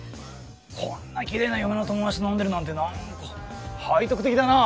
こんなきれいな嫁の友達と飲んでるなんてなんか背徳的だな。